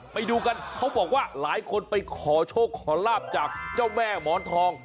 ไปดูกันเขาบอกว่าหลายคนไปขอโชคขอลาบจากเจ้าแม่หมอนทอง